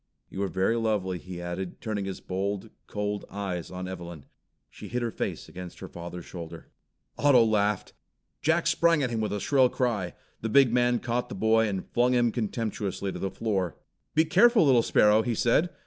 You are very lovely," he added, turning his bold, cold eyes on Evelyn. She hid her face against her father's shoulder. Otto laughed. Jack sprang at him with a shrill cry. The big man caught the boy, and flung him contemptuously to the floor. "Be careful, little sparrow!" he said.